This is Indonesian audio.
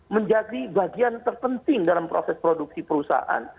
menjadi bagian terpenting dalam proses produksi perusahaan